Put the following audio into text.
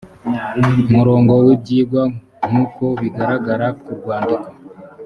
murongo w ibyigwa nk uko bigaragara ku rwandiko